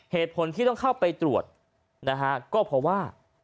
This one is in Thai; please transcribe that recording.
เหตุผลที่ต้องเข้าไปตรวจนะฮะก็เพราะว่า